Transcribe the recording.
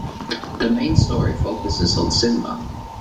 The main story focuses on Simba.